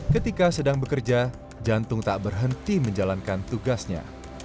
ketika sedang bekerja jantung tak berhenti menjalankan tugasnya